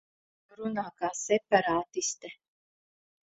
Tu runā kā separātiste.